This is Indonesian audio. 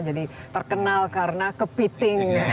jadi terkenal karena kepiting